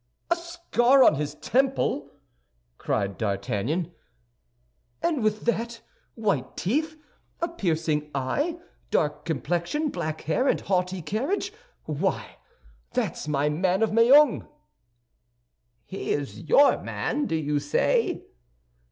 "A scar on his temple!" cried D'Artagnan; "and with that, white teeth, a piercing eye, dark complexion, black hair, and haughty carriage—why, that's my man of Meung." "He is your man, do you say?"